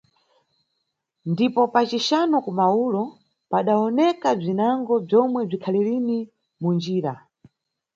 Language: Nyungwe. Ndipo, pa cixanu ku maulo, padawoneka bzinango bzomwe bzikhali lini munjira.